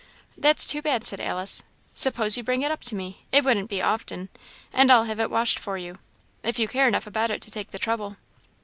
"That's too bad," said Alice. "Suppose you bring it up to me it wouldn't be often and I'll have it washed for you if you care enough about it to take the trouble."